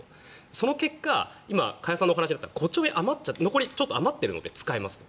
その結果加谷さんのお話にあった５兆円余っているので使いますと。